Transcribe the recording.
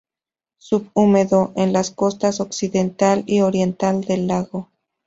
Subhúmedo: en las costas Occidental y Oriental del Lago.